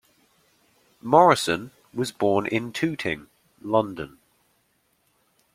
Morrison was born in Tooting, London.